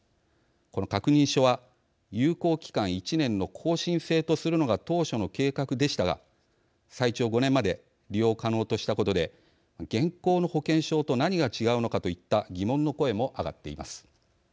この確認書は有効期間１年の更新制とするのが当初の計画でしたが最長５年まで利用可能としたことで現行の保険証と何が違うのかといった疑問の声も上がっています。